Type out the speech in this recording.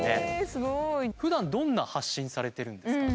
すごい！ふだんどんな発信されてるんですか？